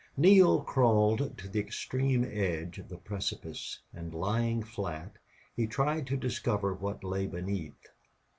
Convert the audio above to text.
Neale crawled to the extreme edge of the precipice, and, lying flat, he tried to discover what lay beneath.